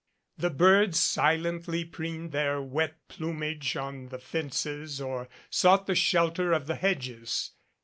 The birds silently preened their wet plumage on the fences or sought the shelter of the hedges.